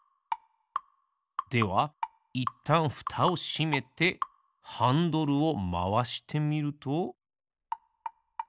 ではいったんふたをしめてハンドルをまわしてみると。